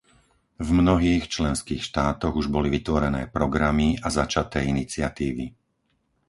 V mnohých členských štátoch už boli vytvorené programy a začaté iniciatívy.